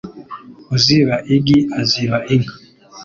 Uziba igi aziba inka.